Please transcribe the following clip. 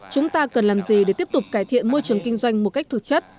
chúng ta cần làm gì để tiếp tục cải thiện môi trường kinh doanh một cách thực chất